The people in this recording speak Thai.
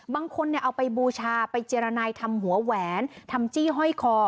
บางคนเอาไปบูชาไปเจรนายทำหัวแหวนทำจี้ห้อยคอ